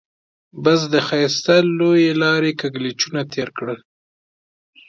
بس د ښایسته لويې لارې کږلېچونه تېر کړل.